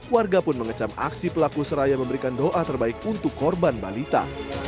warga pun mengecam aksi pelaku seraya memberikan doa terbaik untuk korban balita